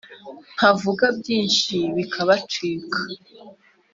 ntavuga byinshi bikabacika